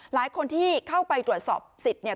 หลายคนที่เข้าไปตรวจสอบสิทธิ์เนี่ย